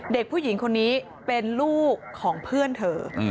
เด็กผู้หญิงคนนี้เป็นลูกของเพื่อนเธอ